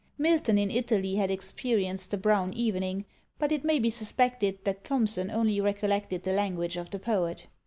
Milton in Italy had experienced the brown evening, but it may be suspected that Thomson only recollected the language of the poet.